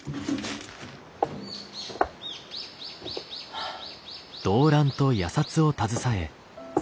はあ。